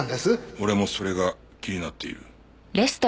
俺もそれが気になっている。